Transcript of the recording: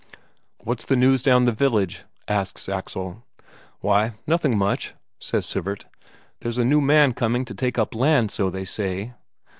"What's the news down village?" asks Axel. "Why, nothing much," says Sivert. "There's a new man coming to take up land, so they say."